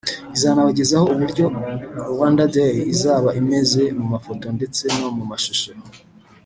izanabagezaho uburyo Rwanda Day izaba imeze mu mafoto ndetse no mu mashusho